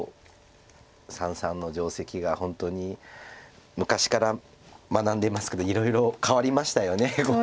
三々の定石が本当に昔から学んでますけどいろいろ変わりましたよね碁も。